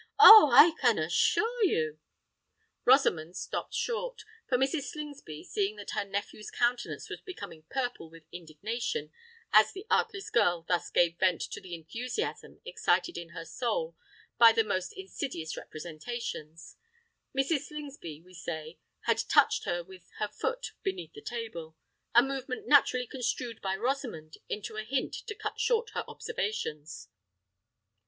Oh! I can assure you——" Rosamond stopped short; for Mrs. Slingsby, seeing that her nephew's countenance was becoming purple with indignation as the artless girl thus gave vent to the enthusiasm excited in her soul by the most insidious representations,—Mrs. Slingsby, we say, had touched her with her foot beneath the table—a movement naturally construed by Rosamond into a hint to cut short her observations.